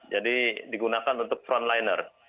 jadi digunakan untuk frontliner